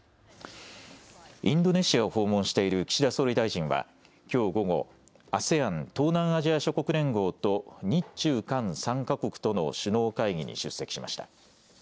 インドネシアを訪問している岸田総理大臣はきょう午後、ＡＳＥＡＮ・東南アジア諸国連合と日中韓３か国との首脳会議に出席しました。